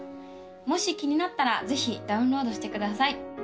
もし気になったらぜひダウンロードしてください